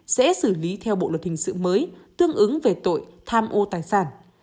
sẽ xử lý theo bộ luật hình sự mới tương ứng về tội tham ô tài sản